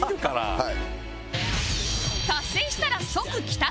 はい。